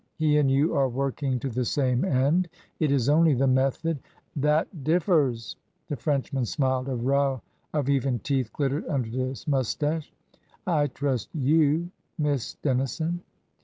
He and you are working to the same end. It is only the method "" That differs ?" The Frenchman smiled. A row of even teeth glittered under his moustache. "I trust ^^2^, Miss Dennison."